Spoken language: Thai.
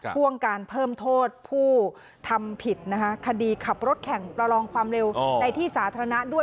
พ่วงการเพิ่มโทษผู้ทำผิดนะคะคดีขับรถแข่งประลองความเร็วในที่สาธารณะด้วย